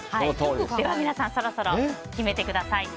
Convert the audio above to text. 皆さんそろそろ決めてください。